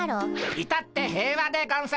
いたって平和でゴンス。